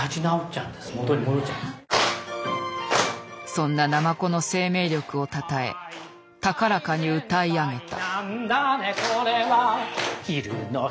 そんなナマコの生命力をたたえ高らかに歌い上げた。